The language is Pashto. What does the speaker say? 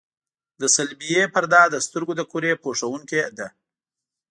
د صلبیې پرده د سترګو د کرې پوښوونکې ده.